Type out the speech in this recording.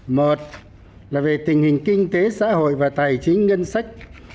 một là về tình hình kinh tế xã hội và tài chính ngân sách